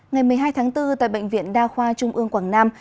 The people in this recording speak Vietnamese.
ngày một mươi hai tháng bốn tại bệnh viện đa khoa trung ương quảng nam